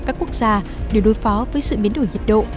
các quốc gia đều đối phó với sự biến đổi nhiệt độ